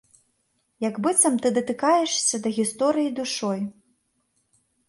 Як быццам ты датыкаешся да гісторыі душой.